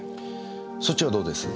そっちはどうです？